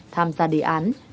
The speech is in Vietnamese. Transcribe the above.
tham gia đề án